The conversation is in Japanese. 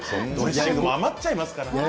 余っちゃいますからね。